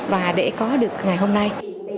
và để có được ngày hôm nay